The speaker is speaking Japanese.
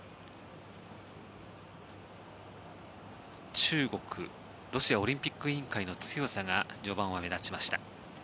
中国、ロシアオリンピック委員会の強さが序盤は目立ちました。